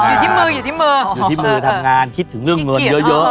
อยู่ที่มืออยู่ที่มืออยู่ที่มือทำงานคิดถึงเรื่องเงินเยอะเยอะ